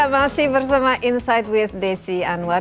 masih bersama insight with desi anwar